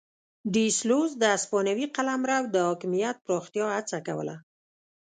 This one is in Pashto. ډي سلوس د هسپانوي قلمرو د حاکمیت پراختیا هڅه کوله.